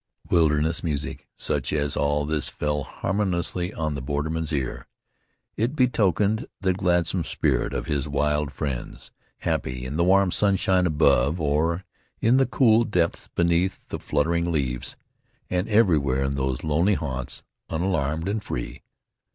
Wilderness music such as all this fell harmoniously on the borderman's ear. It betokened the gladsome spirit of his wild friends, happy in the warm sunshine above, or in the cool depths beneath the fluttering leaves, and everywhere in those lonely haunts unalarmed and free.